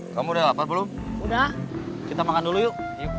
kamu udah lapa belum udah kita makan dulu yuk